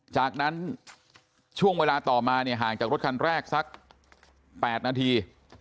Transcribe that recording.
จากนั้นช่วงเวลาต่อมาเนี่ยห่างจากรถคันแรกสัก๘นาที